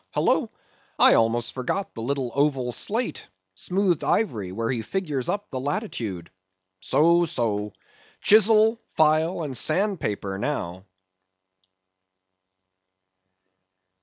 Halloa! I almost forgot the little oval slate, smoothed ivory, where he figures up the latitude. So, so; chisel, file, and sand paper, now!